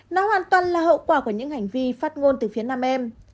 nó hoàn toàn là hậu quả của những hành vi phát ngôn từ phía nam em